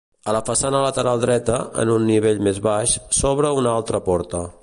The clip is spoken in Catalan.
A la façana lateral dreta, en un nivell més baix, s'obre una altra porta.